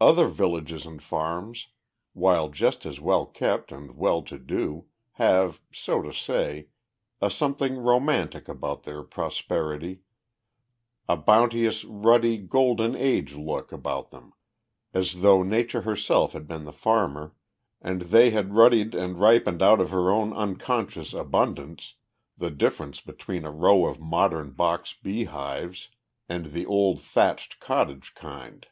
Other villages and farms, while just as well kept and well to do, have, so to say, a something romantic about their prosperity, a bounteous, ruddy, golden age look about them, as though Nature herself had been the farmer and they had ruddied and ripened out of her own unconscious abundance the difference between a row of modern box beehives and the old thatched cottage kind.